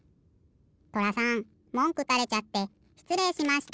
とらさんもんくたれちゃってしつれいしました。